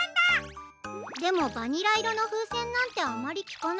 でもバニラいろのふうせんなんてあまりきかないよ？